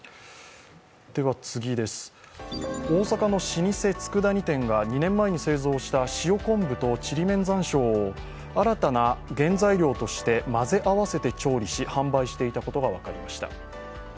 次です、大阪の老舗つくだ煮店が２年前に製造した塩昆布とちりめん山椒を新たな原材料として混ぜ合わせて調理し販売していたことが分かりました。